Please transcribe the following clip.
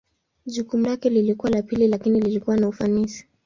Jukumu lake lilikuwa la pili lakini lilikuwa na ufanisi.